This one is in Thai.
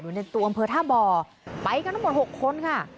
ในตัวอำเภอท่าบ่อไปกันทั้งหมด๖คนค่ะ